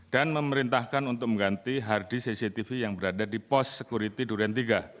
dan memerintahkan untuk mengganti harddisk cctv yang berada di pos sekuriti durian tiga